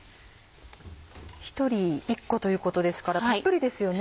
１人１個ということですからたっぷりですよね。